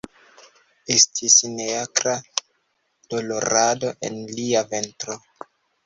Estis neakra dolorado en lia ventro.